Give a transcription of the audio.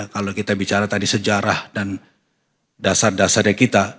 kalau kita bicara tadi sejarah dan dasar dasarnya kita